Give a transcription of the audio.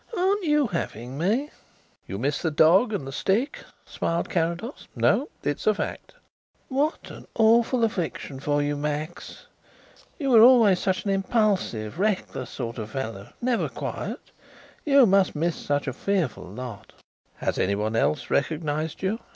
Aren't you having me?" "You miss the dog and the stick?" smiled Carrados. "No; it's a fact." "What an awful affliction for you, Max. You were always such an impulsive, reckless sort of fellow never quiet. You must miss such a fearful lot." "Has anyone else recognized you?"